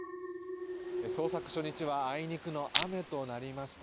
捜索初日はあいにくの雨となりました。